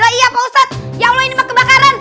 lah iya pak ustadz ya allah ini mah kebakaran